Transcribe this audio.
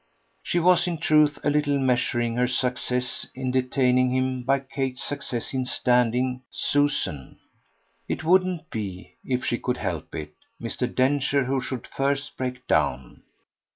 She was in truth a little measuring her success in detaining him by Kate's success in "standing" Susan. It wouldn't be, if she could help it, Mr. Densher who should first break down.